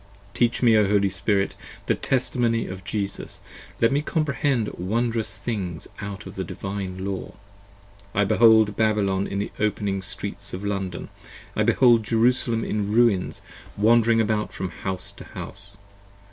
Teach me, O Holy Spirit, the Testimony of Jesus! let me 15 Comprehend wonderous things out of the Divine Law. I behold Babylon in the opening Streets of London, I behold Jerusalem in ruins wandering about from house to house.